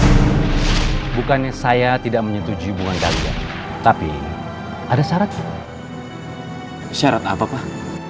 bukan bukannya saya tidak menyetujui buang kaget tapi ada syarat syarat apa pak